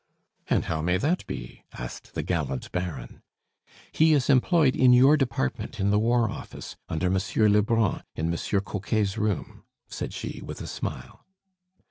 "And how may that be?" asked the gallant Baron. "He is employed in your department in the War Office, under Monsieur Lebrun, in Monsieur Coquet's room," said she with a smile.